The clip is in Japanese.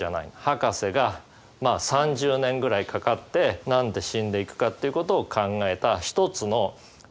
ハカセがまあ３０年ぐらいかかって何で死んでいくかっていうことを考えた一つのま